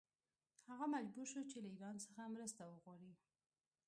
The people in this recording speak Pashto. هغه مجبور شو چې له ایران څخه مرسته وغواړي.